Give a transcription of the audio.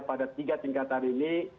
pada tiga tingkatan ini